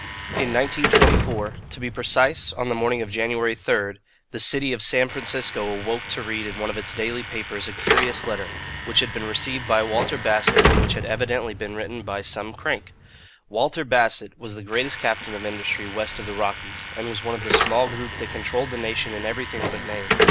GOLIAH In 1924 to be precise, on the morning of January 3 the city of San Francisco awoke to read in one of its daily papers a curious letter, which had been received by Walter Bassett and which had evidently been written by some crank. Walter Bassett was the greatest captain of industry west of the Rockies, and was one of the small group that controlled the nation in everything but name.